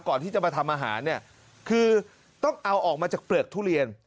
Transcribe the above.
ก่อนที่จะมาทำอาหารเนี่ยคือต้องเอาออกมาจากเปลือกทุเรียน